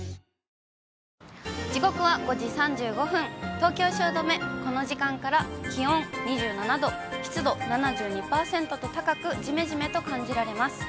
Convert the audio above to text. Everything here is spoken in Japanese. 東京・汐留、この時間から気温２７度、湿度７２％と高く、じめじめと感じられます。